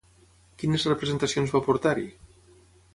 Quines representacions va portar-hi?